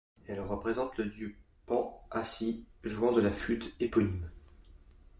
Elle représente le dieu Pan assis, jouant de la flûte éponyme.